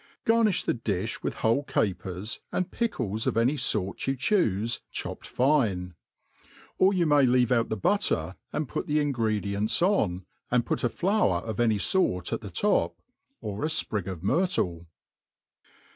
Garhifll the difli With whole capers, and pickles of any fort you choofe^ chopt fine ; or you m^y leavt out the butter, and put the ingredients^ on, and put a flowet of any fort at the top, or a fprig of myrtle.